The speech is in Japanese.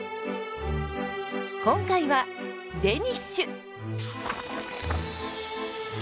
今回はデニッシュ！